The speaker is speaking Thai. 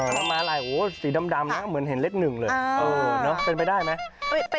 น้ำม้าลายสีดำนะเหมือนเห็นเลข๑เลยเป็นไปได้ไหม